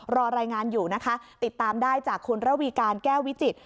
รอรายงานอยู่นะคะติดตามได้จากคุณระวีการแก้ววิจิตร